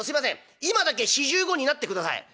今だけ４５になってください」。